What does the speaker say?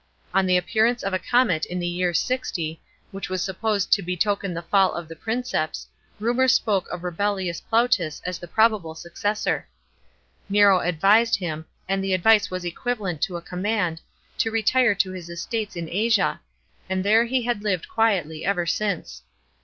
On the appearance of a comet in the year 60, which was supposed to betoken the fall of the Princeps, rumour spoke of Rubellius Plautus as the probable successor. Nero advised him, and the advice was equivalent to a command, to retire to his estates in Asia, and there he had lived quietly ever since.